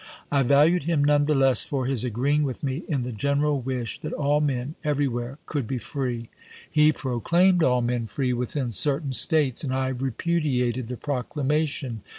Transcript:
I valued him none the less for his agreeing with me in the general wish that all men every where could be free. He proclaimed all men free within certain States, and I repudiated the proclamation.